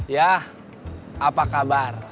ya apa kabar